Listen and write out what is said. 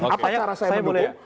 apa cara saya mendukung